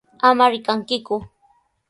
¡Ama rikankiku!